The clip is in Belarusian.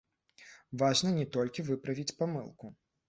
Важна не толькі выправіць памылку.